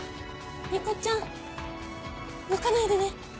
猫ちゃん動かないでね。